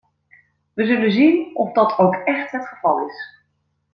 We zullen zien of dat ook echt het geval is.